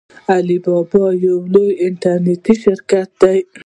علي بابا یو لوی انټرنیټي شرکت دی.